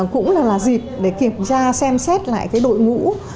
cũng là dịp để kiểm tra xem xét lại cái đội ngũ